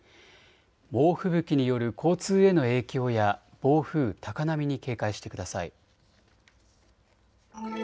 猛吹雪による交通への影響や暴風、高波に警戒してください。